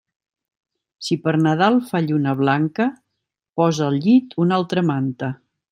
Si per Nadal fa lluna blanca, posa al llit una altra manta.